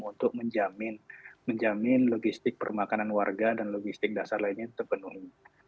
untuk menjamin logistik permakanan warga dan logistik dasar lainnya terpenuhi